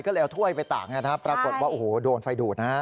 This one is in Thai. ก็เลยเอาถ้วยไปตากนะครับปรากฏว่าโอ้โหโดนไฟดูดนะฮะ